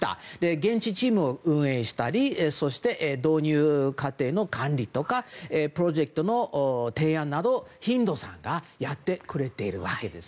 現地チームを運営したりそして導入過程の管理とかプロジェクトの提案などヒンドーさんがやってくれているわけです。